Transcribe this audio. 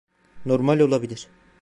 Normal olabilir…